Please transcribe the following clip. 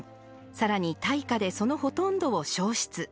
さらに大火でそのほとんどを焼失。